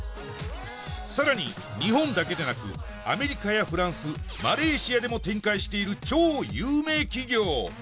更に日本だけでなくアメリカやフランスマレーシアでも展開している超有名企業